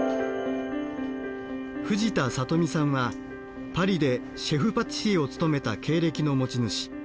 藤田怜美さんはパリでシェフパティシエを務めた経歴の持ち主。